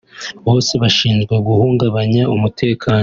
bose bashinjwa guhungabanya umutekano